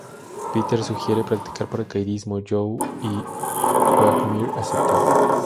Peter sugiere practicar paracaidismo, Joe y Quagmire aceptan.